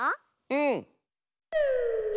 うん！